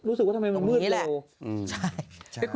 รู้สึกว่าทำไมมันมืดแหละ